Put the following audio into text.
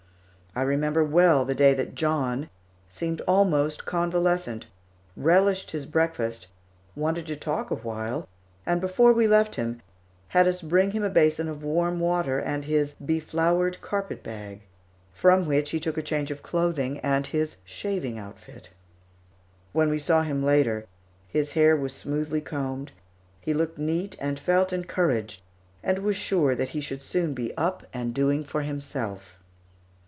I remember well the day that John seemed almost convalescent, relished his breakfast, wanted to talk a while, and before we left him, had us bring him a basin of warm water and his beflowered carpet bag, from which he took a change of clothing and his shaving outfit. When we saw him later, his hair was smoothly combed; he looked neat and felt encouraged, and was sure that he should soon be up and doing for himself.